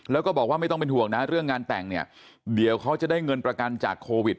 แล้วก็บอกว่าไม่ต้องเป็นห่วงนะเรื่องงานแต่งเนี่ยเดี๋ยวเขาจะได้เงินประกันจากโควิด